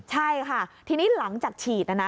ใช่ค่ะทีนี้หลังจากฉีดนะนะ